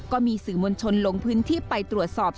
ก็มีสื่อมวลชนลงพื้นที่ไปตรวจสอบ